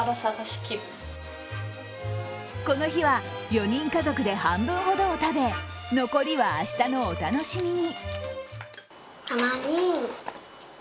この日は、４人家族で半分ほどを食べ残りは明日のお楽しみに。